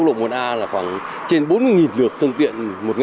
lực lượng cảnh sát giao thông tập trung